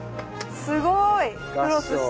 すごいクロスして。